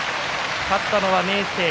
勝ったのは明生。